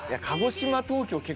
鹿児島東京！